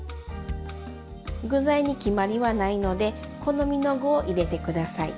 具材に決まりはないので好みの具を入れて下さい。